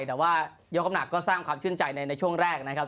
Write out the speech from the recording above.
แต่ว่ายกน้ำหนักก็สร้างความชื่นใจในช่วงแรกนะครับ